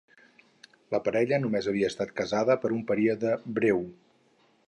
La parella només havia estat casada per un període breu.